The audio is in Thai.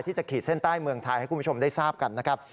ขีดเส้นใต้เมืองไทยให้คุณผู้ชมได้ทราบกันนะครับ